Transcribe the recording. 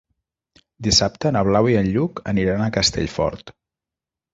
Dissabte na Blau i en Lluc aniran a Castellfort.